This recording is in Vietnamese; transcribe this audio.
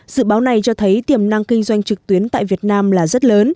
dự báo này cho thấy tiềm năng kinh doanh trực tuyến tại việt nam là rất lớn